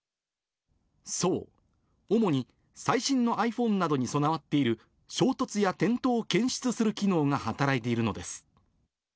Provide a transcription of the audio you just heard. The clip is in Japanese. そう、主に最新のｉＰｈｏｎｅなどに備わっている、衝突や転倒を検出する機能が働いているのです。